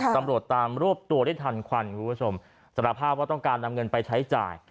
ตำรวจตามรวบตัวได้ทันควันคุณผู้ชมสารภาพว่าต้องการนำเงินไปใช้จ่าย